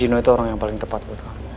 gino itu orang yang paling tepat buat kamu